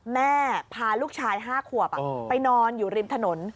พาลูกชาย๕ขวบไปนอนอยู่ริมถนน